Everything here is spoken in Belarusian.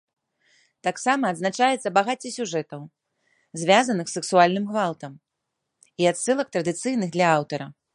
Таксама адзначаецца багацце сюжэтаў, звязаных з сексуальным гвалтам, і адсылак, традыцыйных для аўтара.